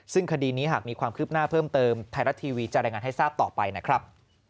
ซึ่งคดีนี้หากมีความคืบหน้าเพิ่มเติมไทยรัฐทีวีจะรายงานให้ทราบต่อไปนะครับ